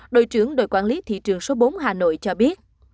đội trưởng đội quản lý thị trường số bốn hà nội cho biết